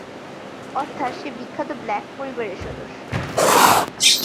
অর্থাৎ সে বিখ্যাত ব্ল্যাক পরিবারের সদস্য।